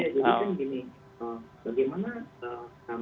jadi kan gini